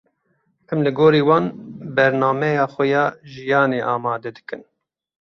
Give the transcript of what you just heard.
Em li gorî wan, bernameya xwe ya jiyanê amade dikin.